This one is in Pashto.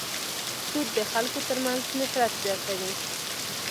سود د خلکو تر منځ نفرت زیاتوي.